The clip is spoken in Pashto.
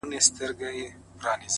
جـنــگ له فريادي ســــره ـ